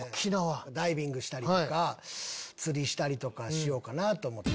ダイビングしたりとか釣りしたりしようかなと思って。